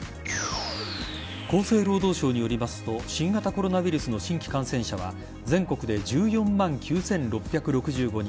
厚生労働省によりますと新型コロナウイルスの新規感染者は全国で１４万９６６５人